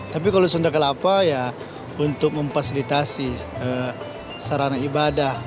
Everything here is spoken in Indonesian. tapi kalau sunda kelapa ya untuk memfasilitasi sarana ibadah